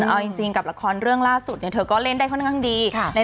แต่เอาจริงกับละครเรื่องล่าสุดเธอก็เล่นได้ค่อนข้างดี